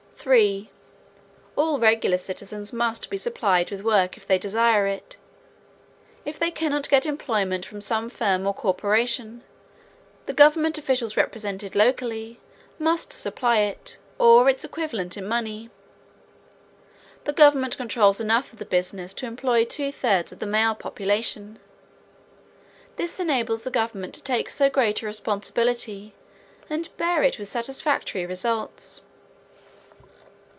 3. All regular citizens must be supplied with work if they desire it. If they cannot get employment from some firm or corporation, the government officials represented locally must supply it or its equivalent in money. The government controls enough of the business to employ two thirds of the male population. This enables the government to take so great a responsibility and bear it with satisfactory results.